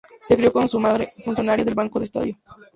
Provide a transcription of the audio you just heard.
Se crio con su madre, funcionaria del Banco del Estado.